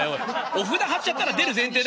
お札貼っちゃったら出る前提だ。